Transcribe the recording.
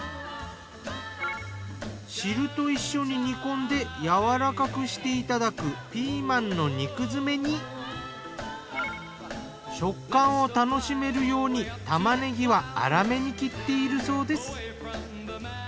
汁と一緒に煮込んでやわらかくしていただく食感を楽しめるようにタマネギは粗めに切っているそうです。